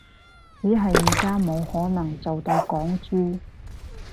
只係而家冇可能做到港豬